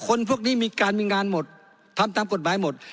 คนพวกนี้มีการมีงานหมดทำตามกฎหมายหมด